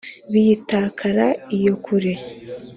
biyitakara iyo kure.